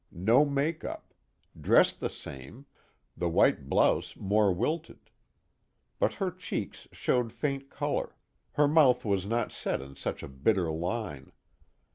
No make up, dressed the same, the white blouse more wilted. But her cheeks showed faint color; her mouth was not set in such a bitter line.